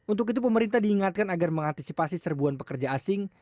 untuk itu pemerintah diingatkan agar mengantisipasi serbuan pekerja asing